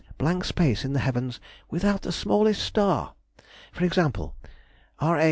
blank space in the heavens without the smallest star. For example:— R.A.